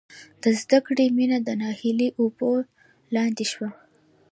د زدکړې مینه د ناهیلۍ اوبو لاندې شوه